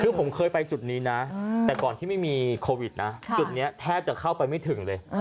คือผมเคยไปจุดนี้นะแต่ก่อนที่ไม่มีโควิดนะจุดนี้แทบจะเข้าไปไม่ถึงเลย